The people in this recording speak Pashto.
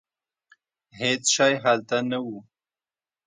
هېڅ شی هلته نه و.